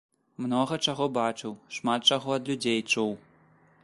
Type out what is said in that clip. Многа чаго бачыў, шмат чаго ад людзей чуў.